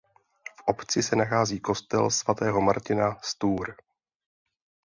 V obci se nachází kostel svatého Martina z Tours.